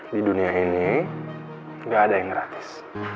di dunia ini gak ada yang gratis